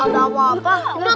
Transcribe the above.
nggak ada apa apa